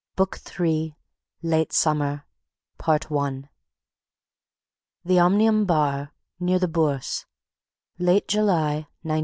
. BOOK THREE ~~ LATE SUMMER I The Omnium Bar, near the Bourse, Late July 1914.